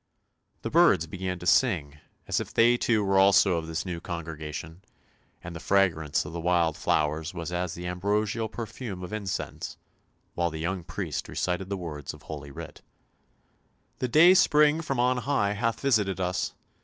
The birds began to sing as if they too were also of this new congregation, and the fragrance of the wild flowers was as the ambrosial perfume of incense, while the young priest recited the words of Holy Writ: " The Day spring from on high hath visited us.